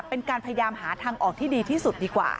เป็นการพยายามหาทางออกที่ดีที่สุดดีกว่า